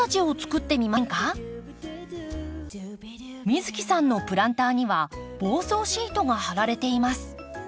美月さんのプランターには防草シートが張られています。